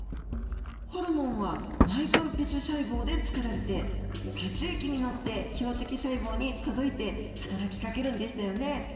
ホルモンは内分泌細胞でつくられて血液に乗って標的細胞に届いてはたらきかけるんでしたよね。